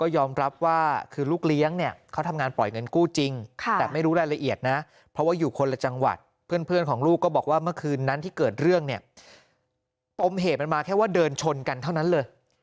ตมเหตุมันมาแค่ว่าเดินชนกันเท่านั้นเลย